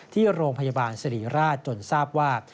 ที่โรงพยาบาลสิริราชจนทราบว่า